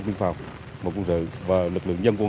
quân phòng quân sự và lực lượng nhân quân